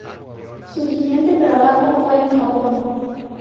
Su siguiente trabajo fue en Japón.